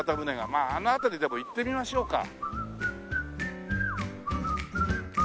まああの辺りでも行ってみましょうか。